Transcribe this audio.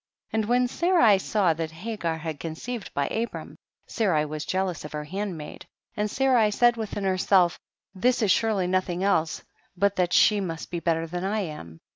30. And when Sarai saw that Ha gar had conceived by Abram, Sarai was jealous of her handmaid, and Sarai said within herself, this is sure ly nothing else but that she must be better than I am.